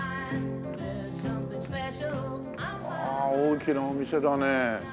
あ大きなお店だね。